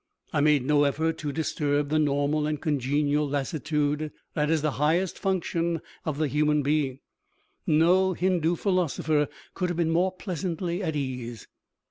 I made no effort to disturb the normal and congenial lassitude that is the highest function of the human being: no Hindoo philosopher could have been more pleasantly at ease.